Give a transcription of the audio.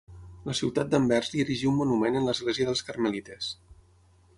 La ciutat d'Anvers li erigí un monument en l'església dels Carmelites.